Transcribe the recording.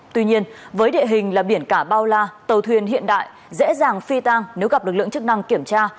tuy nhiên với địa hình là biển cả bao la tàu thuyền hiện đại dễ dàng phi tang nếu gặp lực lượng chức năng kiểm tra